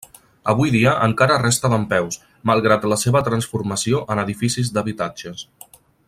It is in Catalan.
Avui dia encara resta dempeus, malgrat la seva transformació en edificis d'habitatges.